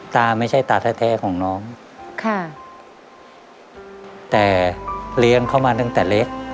ตาไม่ใช่ตาแท้ของน้องค่ะแต่เลี้ยงเขามาตั้งแต่เล็ก